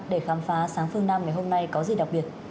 để khám phá sáng phương nam ngày hôm nay có gì đặc biệt